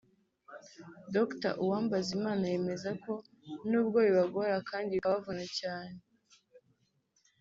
Dr Uwambazimana yemeza ko nubwo bibagora kandi bikabavuna cyane